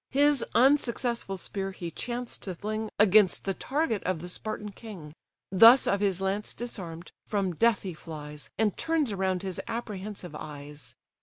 His unsuccessful spear he chanced to fling Against the target of the Spartan king; Thus of his lance disarm'd, from death he flies, And turns around his apprehensive eyes.